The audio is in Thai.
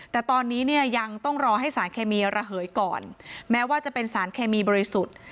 แต่ตอนนี้เนี่ยยังต้องรอให้สารเคมีระเหยก่อนแม้ว่าจะเป็นสารเคมีบริสุทธิ์